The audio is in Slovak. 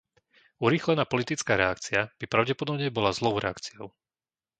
Urýchlená politická reakcia by pravdepodobne bola zlou reakciou.